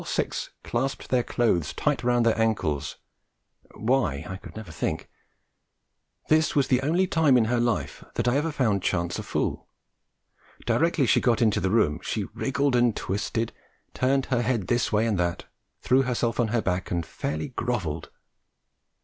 All six clasped their clothes tight round their ankles why, I never could think. This was the only time in her life that I ever found Chance a fool. Directly she got into the room, she wriggled and twisted, turned her head this way and that, threw herself on her back and fairly grovelled.